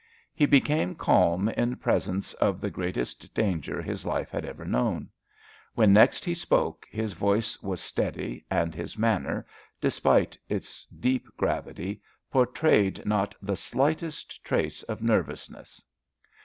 He became calm in presence of the greatest danger his life had ever known. When next he spoke his voice was steady, and his manner, despite its deep gravity, portrayed not the slightest trace of nervousness.